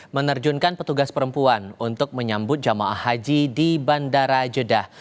menerjunkan petugas perempuan untuk menyambut jemaah haji di bandara jeddah